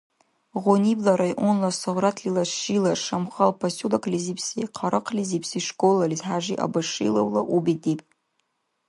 Гъунибла районна Согъратлила шила Шамхал поселоклизибси хъарахълизибси школалис Хӏяжи Абашиловла у бедиб.